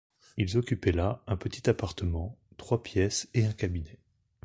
Ils occupaient là un petit appartement, trois pièces et un cabinet.